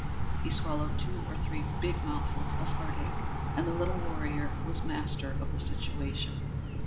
He swallowed two or three big mouthfuls of heartache and the little warrior was master of the situation.